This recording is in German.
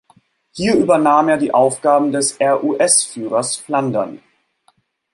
Hier übernahm er die Aufgaben des RuS-Führers Flandern.